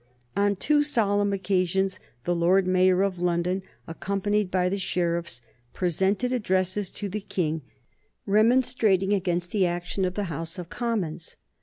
On two solemn occasions the Lord Mayor of London, accompanied by the sheriffs, presented addresses to the King remonstrating against the action of the House of Commons.